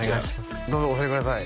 どうぞお座りください